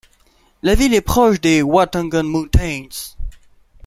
La ville est proche des Watagan Mountains.